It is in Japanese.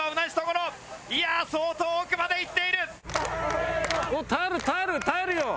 いやあ相当奥までいっている！